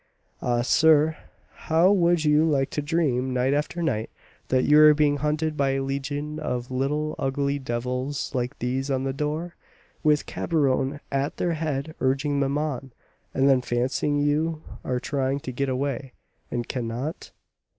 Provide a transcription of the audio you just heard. Ah, sir, how would you like to dream night after night that you were being hunted by a legion of little ugly devils like these on the door, with Cabrion at their head urging them on, and then fancying you are trying to get away, and cannot?